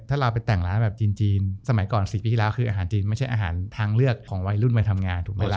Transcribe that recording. ถ้าเราไปแต่งร้านแบบจีนสมัยก่อน๔ปีที่แล้วคืออาหารจีนไม่ใช่อาหารทางเลือกของวัยรุ่นวัยทำงานถูกไหมล่ะ